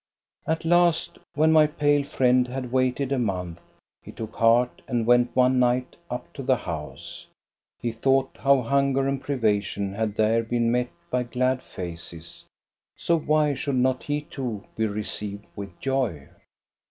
At last, when my pale friend had waited a month, he took heart and went one night up to the house. He thought how hunger and privation had there been met by glad faces, so why should not he too be received with joy?